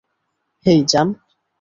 হেই, জান।